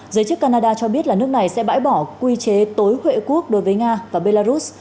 giới chức canada cho biết là nước này sẽ bãi bỏ quy chế tối huệ quốc đối với nga và belarus